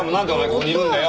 ここにいるんだよ